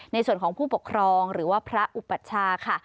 ในส่วนของผู้ปกครองหรือว่าพระอุปัชชาค่ะ